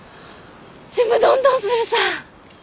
ちむどんどんするさー。